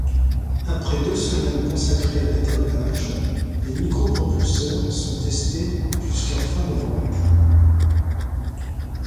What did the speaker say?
Après deux semaines consacrées à l'étalonnage, les micropropulseurs sont testés jusqu'à fin novembre.